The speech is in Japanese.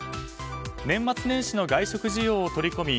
年末年始の外食需要を取り込み